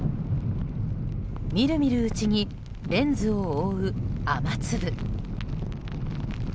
見る見るうちにレンズを覆う雨粒。